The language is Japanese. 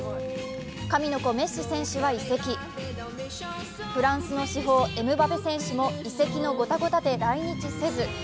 神の子メッシ選手は移籍、フランスの至宝・エムバペ選手も移籍のゴタゴタで来日せず。